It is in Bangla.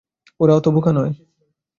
ওরা তত বোকা নয়।